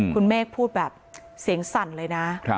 คุณเมฆพูดแบบเสียงสั่นเลยนะ